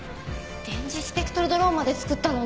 電磁スペクトルドローンまで作ったのに。